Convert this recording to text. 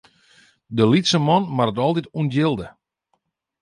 De lytse man moat it altyd ûntjilde.